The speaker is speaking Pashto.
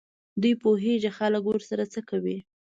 دوی پوهېږي خلک ورسره څه کوي.